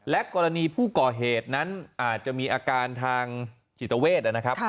กรณีผู้ก่อเหตุนั้นอาจจะมีอาการทางจิตเวทนะครับ